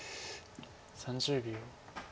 ３０秒。